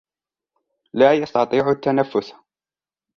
لا يستطيع التنفس.